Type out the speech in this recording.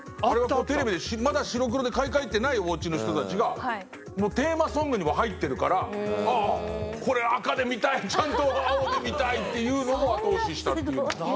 テレビでまだ白黒で買い替えてないおうちの人たちがテーマソングにも入ってるからこれ赤で見たいちゃんと青で見たいっていうのも後押ししたっていうのを。